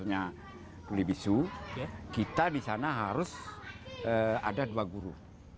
misalnya uli bisu kita di sana harus ada dua guru